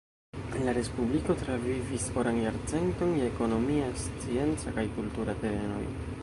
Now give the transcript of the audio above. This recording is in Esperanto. La respubliko travivis oran jarcenton je ekonomia, scienca kaj kultura terenoj.